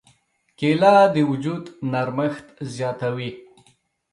کېله د وجود نرمښت زیاتوي.